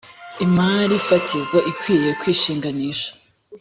imari fatizo ikwiriye kwishinganisha.